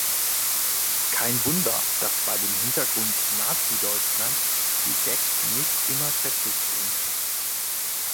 Kein Wunder, dass bei dem Hintergrund "Nazi-Deutschland" die Gags nicht immer treffsicher sind.